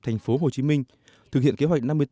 thành phố hồ chí minh thực hiện kế hoạch